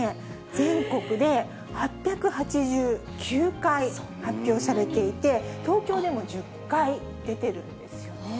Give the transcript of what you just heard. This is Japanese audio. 全国で８８９回発表されていて、東京でも１０回出ているんですよね。